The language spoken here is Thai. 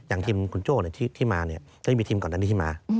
อย่างทีมคุณโจ้ที่มาเนี่ยก็จะมีทีมก่อนอันนี้ที่มา